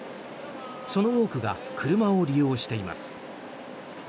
その多くが車を利用しています。